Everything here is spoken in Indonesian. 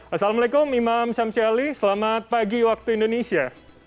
assalamualaikum imam syamsi ali selamat pagi waktu indonesia